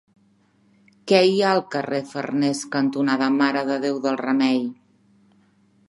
Què hi ha al carrer Farnés cantonada Mare de Déu del Remei?